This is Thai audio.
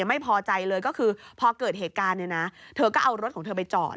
ไม่พอใจเลยก็คือพอเกิดเหตุการณ์เนี่ยนะเธอก็เอารถของเธอไปจอด